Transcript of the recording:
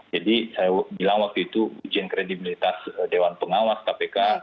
jadi saya bilang waktu itu ujian kredibilitas dewan pengawas kpk